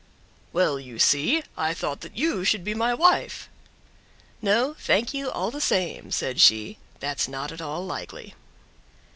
"Well, you see, I thought that you should be my wife!" "No, thank you all the same," said she, "that's not at all likely."